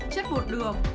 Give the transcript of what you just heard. chất bột đường